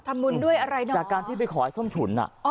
ทำบุญด้วยอะไรนะจากการที่ไปขอให้ส้มฉุนอ่ะ